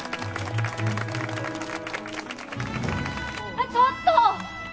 あっちょっと！